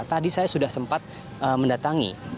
tadi saya sudah sempat mendatangi